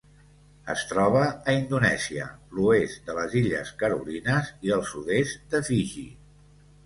Es troba a Indonèsia, l'oest de les Illes Carolines i el sud-est de Fiji.